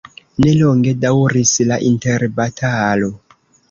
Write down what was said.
Ne longe daŭris la interbatalo.